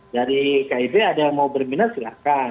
dari kib ada yang mau berminat silahkan